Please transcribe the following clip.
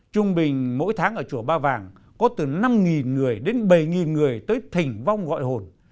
trung bình mỗi tháng ở chùa ba vàng có từ năm người đến bảy người tới thỉnh vong gọi hồn